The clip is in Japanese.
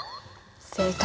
正解！